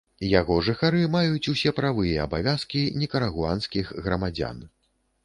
Яго жыхары маюць усе правы і абавязкі нікарагуанскіх грамадзян.